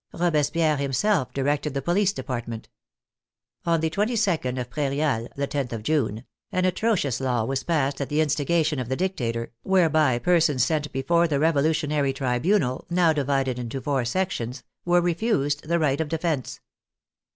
Robespierre himself directed the police department. On the 226. of Prairial (the loth of June), an atrocious law was passed at the instigation of the dictator, whereby persons sent before the revolutionary tribunal, now divided into four sections, were refused the right of defence.